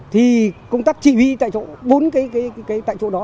thì công tác chỉ huy tại chỗ bốn cái tại chỗ đó